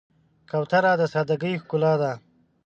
کوتره د سادګۍ ښکلا ده.